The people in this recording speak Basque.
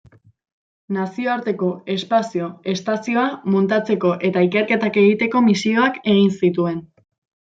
Nazioarteko Espazio Estazioa muntatzeko eta ikerketak egiteko misioak egin zituen.